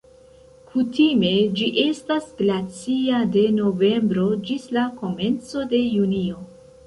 Kutime ĝi estas glacia de novembro ĝis la komenco de junio.